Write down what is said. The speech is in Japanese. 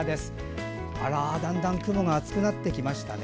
だんだん雲が厚くなってきました。